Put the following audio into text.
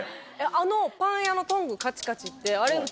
あのパン屋のトングカチカチってあれ普通に。